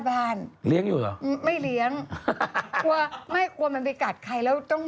หมาหมาหมาหมาหมาหมาหมาหมาหมาหมาหมาหมา